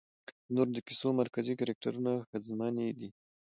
د نورو د کيسو مرکزي کرکټرونه ښځمنې دي